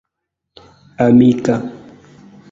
Amika.